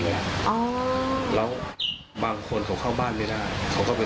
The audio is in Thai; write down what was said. แล้วตุ๊กลามาถึงบ้านนี้ก็ไปจอดข้างบ้านที่